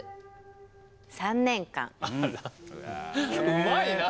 うまいなあ！